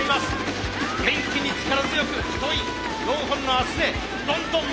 元気に力強く太い４本の脚でどんどん前に進む！